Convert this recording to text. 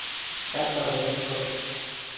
Yaaa toget nebo kiy